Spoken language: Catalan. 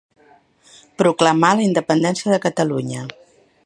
Proclamar la independència de Catalunya.